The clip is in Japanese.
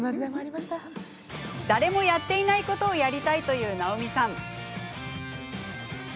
誰もやっていないことをやりたいという直美さん。